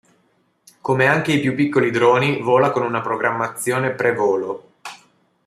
Come anche i più piccoli droni vola con una programmazione pre volo.